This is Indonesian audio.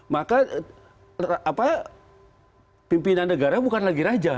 maka pimpinan negara bukan lagi raja